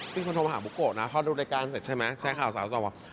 เป็นคนโทรมาหาบุโกะนะพอดูรายการเสร็จใช่ไหมแชร์ข่าวสาวสอบว่า